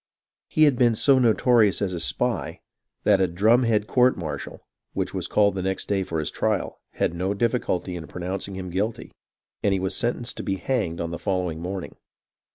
He had been so notorious as a spy, that a drumhead court martial, which was called the next day for his trial, had no difficulty in pronouncing him guilty, and he was sentenced to be hanged on the follow ing morning.